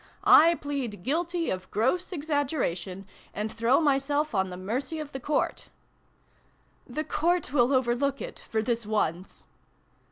" I plead ' Guilty ' of gross exaggeration, and throw myself on the mercy of the Court !"" The Court will overlook it for this once